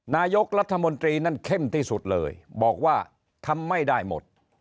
นายกรัฐมนตรีนั้นเข้มที่สุดเลยบอกว่าทำไม่ได้หมด